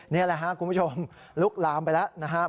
นี่แหละครับคุณผู้ชมลุกลามไปแล้วนะครับ